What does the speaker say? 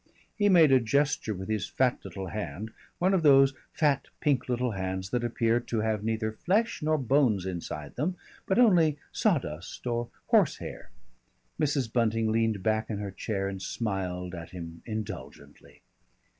He made a gesture with his fat little hand, one of those fat pink little hands that appear to have neither flesh nor bones inside them but only sawdust or horse hair. Mrs. Bunting leaned back in her chair and smiled at him indulgently.